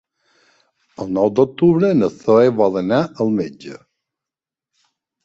El nou d'octubre na Zoè vol anar al metge.